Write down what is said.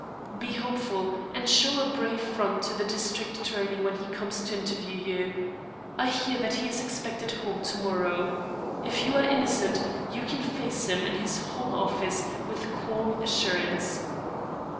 "Be hopeful and show a brave front to the district attorney when he comes to interview you. I hear that he is expected home to morrow. If you are innocent, you can face him and his whole office with calm assurance."